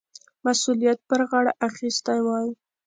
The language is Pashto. مسؤلیت پر غاړه اخیستی وای.